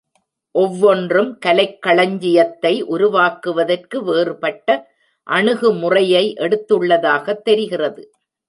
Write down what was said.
ஒவ்வொன்றும் கலைக்களஞ்சியத்தை உருவாக்குவதற்கு வேறுபட்ட அணுகுமுறையை எடுத்துள்ளதாக தெரிகிறது.